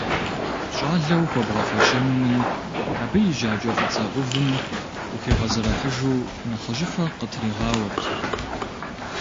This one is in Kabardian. ЩӀалэу хуэбгъэфэщэнуми, абы и жьакӀэ фӀыцӀэ Ӏувым, ухигъэзэрыхьыжу, нэхъыжьыфэ къытригъауэрт.